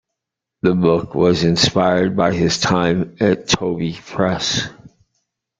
The book was inspired by his time at Toby Press.